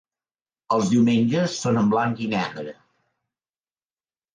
Els diumenges són en blanc i negre.